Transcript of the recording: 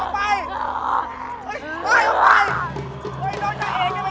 ไปไอ้มายอยู่ออกชีวิตให้ไว้